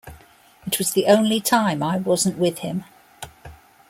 It was the only time I wasn't with him.